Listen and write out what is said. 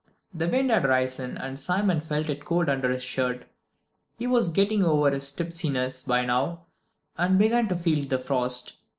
The wind had risen and Simon felt it cold under his shirt. He was getting over his tipsiness by now, and began to feel the frost.